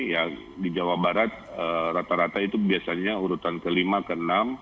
ya di jawa barat rata rata itu biasanya urutan ke lima ke enam